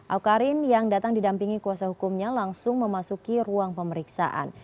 awkarin yang datang didampingi kuasa hukumnya langsung memasuki ruang pemeriksaan